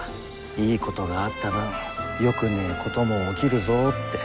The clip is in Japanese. いいことがあった分よくねえことも起きるぞって。